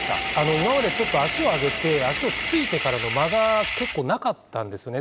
今まで足を上げて足をついてからの間が結構なかったんですよね。